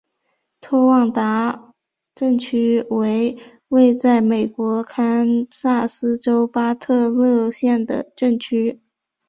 托旺达镇区为位在美国堪萨斯州巴特勒县的镇区。